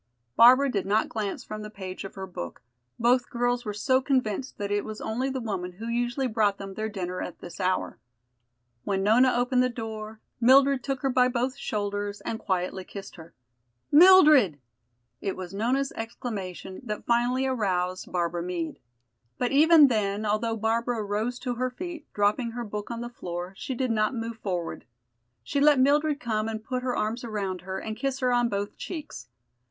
Barbara did not glance from the page of her book, both girls were so convinced that it was only the woman who usually brought them their dinner at this hour. When Nona opened the door, Mildred took her by both shoulders and quietly kissed her. "Mildred!" It was Nona's exclamation that finally aroused Barbara Meade. But even then, although Barbara rose to her feet, dropping her book on the floor, she did not move forward. She let Mildred come and put her arms around her and kiss her on both cheeks.